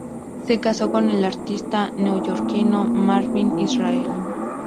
Se casó con el artista neoyorquino Marvin Israel.